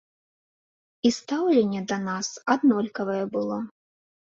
І стаўленне да нас аднолькавае было.